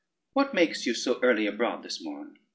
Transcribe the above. What makes you so early abroad this morn?